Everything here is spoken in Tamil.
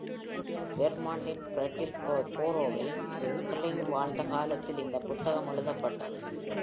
வெர்மாண்டின் பிராட்டில்போரோவில் கிர்லிங் வாழ்ந்த காலத்தில் இந்த புத்தகம் எழுதப்பட்டது.